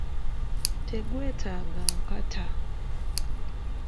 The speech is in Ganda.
Tegwetaaga nkata.